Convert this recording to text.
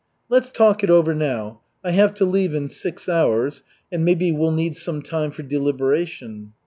"Let's talk it over now. I have to leave in six hours, and maybe we'll need some time for deliberation."